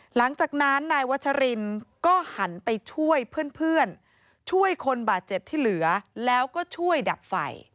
หลังจากนั้นนายวัชรินก็หันไปช่วยเพื่อนช่วยคนบาดเจ็บที่เหลือแล้วก็ช่วยดับไฟ